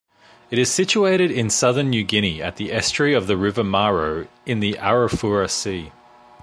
It is situated in southern New Guinea at the estuary of the River Maro in the Arafura Sea.